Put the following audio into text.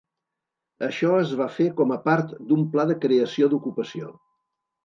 Això es va fer com a part d'un pla de creació d'ocupació.